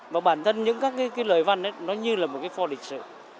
và bản thân những các cái lời văn ấy nó như là một cái pho địch sự